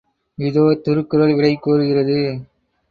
இதோ திருக்குறள் விடை கூறுகிறது.